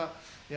tapi ingat ya